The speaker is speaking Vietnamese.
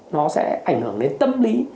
nó sẽ ảnh hưởng đến tâm lý